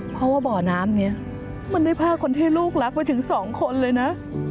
เพราะว่าบ่อน้ำนี้มันได้พาคนที่ลูกรักไปถึงสองคนเลยนะ